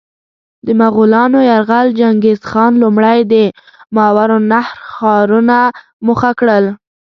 د مغولانو یرغل: چنګیزخان لومړی د ماورالنهر ښارونه موخه کړل.